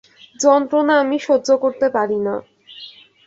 যন্ত্রণা আমি সহ্য করতে পারি না।